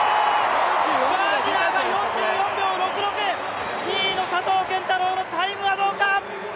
ガーディナーが４４秒６６、２位の佐藤拳太郎のタイムはどうか？